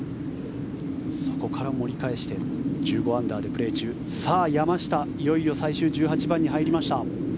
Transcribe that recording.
そこから盛り返して１５アンダーでプレー中山下、いよいよ最終１８番に入りました。